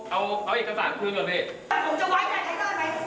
เอาเอาเอาเอกสารคืนเลยพี่ผมจะไว้ใจใจได้ไหม